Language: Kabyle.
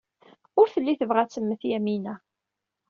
Ur telli tebɣa ad temmet Yamina.